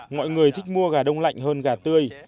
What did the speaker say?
mọi người thích mua gà đông lạnh hơn gà tươi